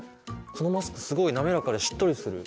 このマスクすごい滑らかでしっとりする。